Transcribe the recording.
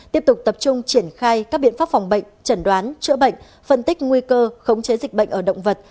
tiếp tục tập trung triển khai các biện pháp phòng bệnh chẩn đoán chữa bệnh phân tích nguy cơ khống chế dịch bệnh ở động vật